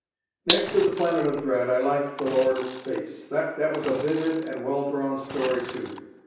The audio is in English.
Next to "The Planet of Dread" I liked "The Lord of Space." That was a vivid and well drawn story, too.